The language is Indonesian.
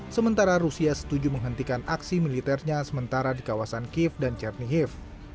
sementara rusia setuju menghentikan aksi militernya sementara di kawasan kiev dan chernihiv